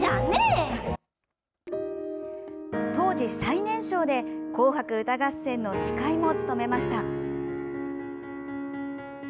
当時、最年少で「紅白歌合戦」の司会も務めました。